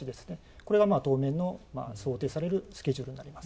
これが、当面の想定されるスケジュールになります。